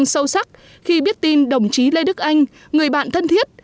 sâu sắc khi biết tin đồng chí lê đức anh người bạn thân thiết